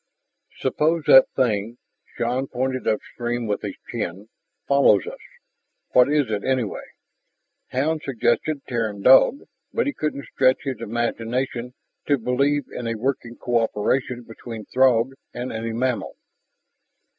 "Suppose that thing " Shann pointed upstream with his chin "follows us? What is it anyway?" Hound suggested Terran dog, but he couldn't stretch his imagination to believe in a working co operation between Throg and any mammal.